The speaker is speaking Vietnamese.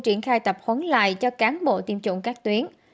triển khai tập huấn lại cho cán bộ tiêm chủng các tuyến